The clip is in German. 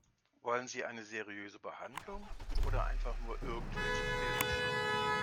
Wollen Sie eine seriöse Behandlung oder einfach nur irgendwelche Pillen schlucken?